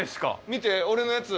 見て俺のやつ。